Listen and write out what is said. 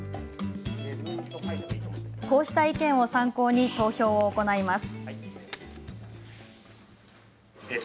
こうした意見を参考に投票を行います。